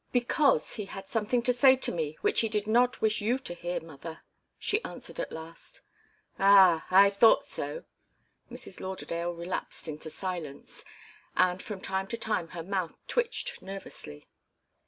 "Because he had something to say to me which he did not wish you to hear, mother," she answered at last. "Ah I thought so." Mrs. Lauderdale relapsed into silence, and from time to time her mouth twitched nervously.